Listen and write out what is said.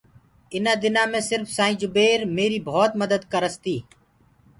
اُنآ دِنآ مينٚ سرڦ سآئيٚنٚ جُبير ميري ڀوت مَدت ڪَرس تي